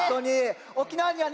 沖縄にはねさ